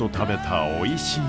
んおいしい！